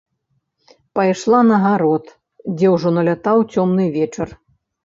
Пайшла на гарод, дзе ўжо налятаў цёмны вечар.